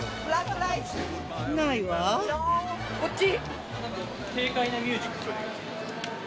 こっち？